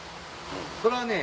それはね